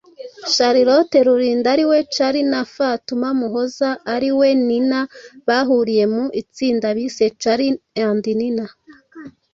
Charlotte Rulinda ari we Charly na Fatuma Muhoza ari we Nina bahuriye mu itsinda bise Charly&Nina